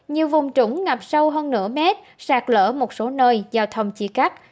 nhiều vùng trũng ngập sâu hơn nửa mét sạt lỡ một số nơi giao thông chi cắt